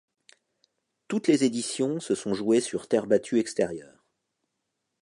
Toutes les éditions se sont jouées sur terre battue extérieure.